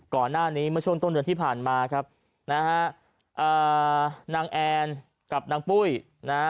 ก่อนหน้านี้เมื่อช่วงต้นเดือนที่ผ่านมาครับนะฮะอ่านางแอนกับนางปุ้ยนะฮะ